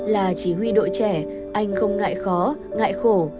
là chỉ huy đội trẻ anh không ngại khó ngại khổ